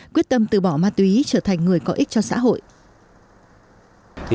quyết tâm từ bỏ ma túy trở thành người có ích cho xã hội